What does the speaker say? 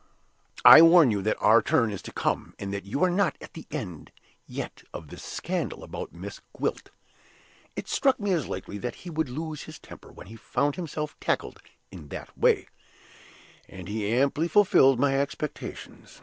I warn you that our turn is to come, and that you are not at the end yet of this scandal about Miss Gwilt.' It struck me as likely that he would lose his temper when he found himself tackled in that way, and he amply fulfilled my expectations.